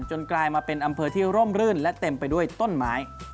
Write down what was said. กลายมาเป็นอำเภอที่ร่มรื่นและเต็มไปด้วยต้นไม้